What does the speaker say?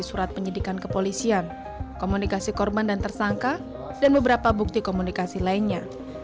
surat penyidikan kepolisian komunikasi korban dan tersangka dan beberapa bukti komunikasi lainnya